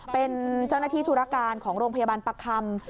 เป็นเจ้าหน้าที่ธุรการของโรงพยาบาลประคำ